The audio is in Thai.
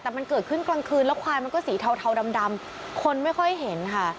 แต่มันเกิดขึ้นกลางคืนแล้วควายมันก็สีเทาดำคนไม่ค่อยเห็นค่ะ